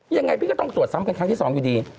ยังไงพี่ก็ต้องตรวจซ้ำกันครั้งที่๒อยู่ดี